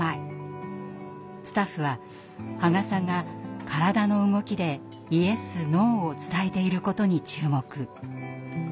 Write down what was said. スタッフは波賀さんが体の動きでイエスノーを伝えていることに注目。